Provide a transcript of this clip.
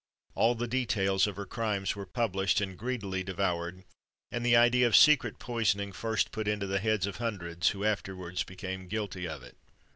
All the details of her crimes were published, and greedily devoured; and the idea of secret poisoning first put into the heads of hundreds, who afterwards became guilty of it.